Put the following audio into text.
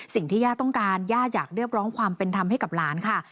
สิ่งที่ย่าต้องการย่าอยากเรียกร้องความเป็นธรรมให้กับหลานค่ะ